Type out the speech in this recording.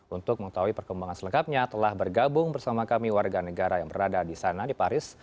untuk mengetahui perkembangan selengkapnya telah bergabung bersama kami warga negara yang berada di sana di paris